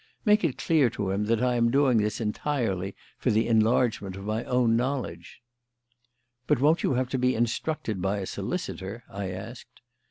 Make it clear to him that I am doing this entirely for the enlargement of my own knowledge." "But won't you have to be instructed by a solicitor?" I asked.